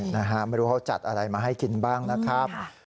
นะฮะไม่รู้เขาจัดอะไรมาให้กินบ้างนะครับ